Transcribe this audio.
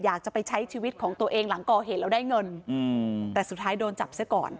อยากจะไปใช้ชีวิตของตัวเองหลังก่อเหตุแล้วได้เงินแต่สุดท้ายโดนจับซะก่อน